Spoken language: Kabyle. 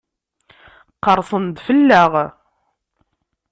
Qerrsen-d fell-aɣ?